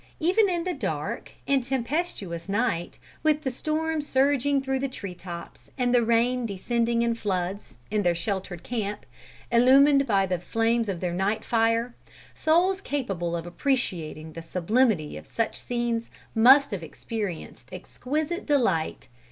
Even in the dark and tempestuous night, with the storm surging through the tree tops, and the rain descending in floods, in their sheltered camp, illumined by the flames of their night fire, souls capable of appreciating the sublimity of such scenes must have experienced exquisite delight.